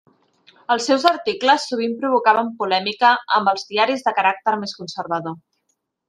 Els seus articles sovint provocaven polèmica amb els diaris de caràcter més conservador.